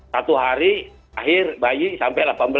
satu hari akhir bayi sampai delapan belas